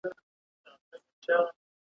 پرېږده مُهر کړي پخپله عجایب رنګه وصال دی ,